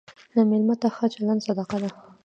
مېلمه ته ښه چلند صدقه ده.